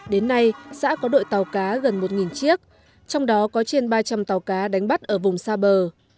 đến nay xã có đội tàu cá gần một chiếc trong đó có trên ba trăm linh tàu cá đánh bắt ở vùng xa bờ